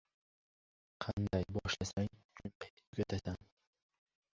• Qanday boshlasang, shunday tugatasan.